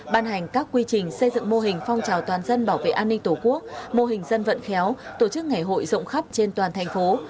ban hành các quy trình xây dựng mô hình phong trào toàn dân bảo vệ an ninh tổ quốc mô hình dân vận khéo tổ chức ngày hội rộng khắp trên toàn thành phố